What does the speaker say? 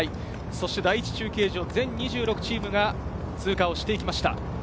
第１中継所、全２６チームが通過をしていきました。